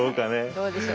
どうでしょう。